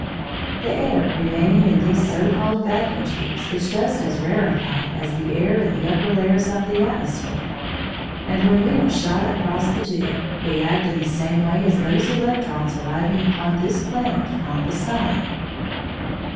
The air remaining in these so called vacuum tubes is just as rarified as the air in the upper layers of the atmosphere, and when we are shot across the tube we act in the same way as those electrons arriving upon this planet from the sun.